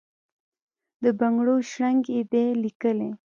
د بنګړو شرنګ یې دی لېکلی،